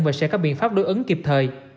và sẽ có biện pháp đối ứng kịp thời